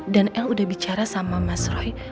dan el udah bicara sama mas roy